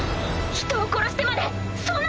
人を殺してまでそんなの！